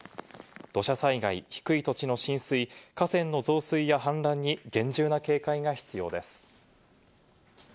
土砂災害、低い土地の浸水、河川の増水や氾濫に厳重な警戒が必要です。